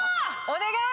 お願い。